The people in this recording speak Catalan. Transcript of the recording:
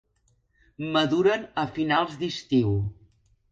Maduren a finals d'estiu.